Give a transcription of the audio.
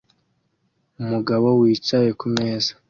Umugabo wicaye kumeza